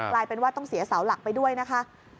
กลายเป็นว่าต้องเสียเสาหลักไปด้วยนะคะ